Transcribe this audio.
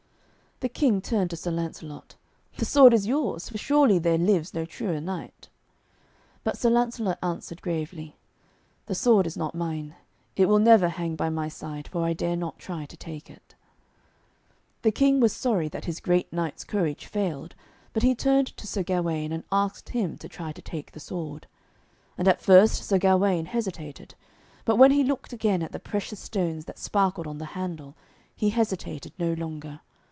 The King turned to Sir Lancelot. 'The sword is yours, for surely there lives no truer knight.' But Sir Lancelot answered gravely, 'The sword is not mine. It will never hang by my side, for I dare not try to take it.' The King was sorry that his great knight's courage failed, but he turned to Sir Gawaine and asked him to try to take the sword. And at first Sir Gawaine hesitated. But when he looked again at the precious stones that sparkled on the handle, he hesitated no longer.